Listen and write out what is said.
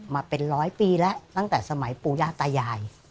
มาเป็นร้อยปีแล้วตั้งแต่สมัยปู่ย่าตายาย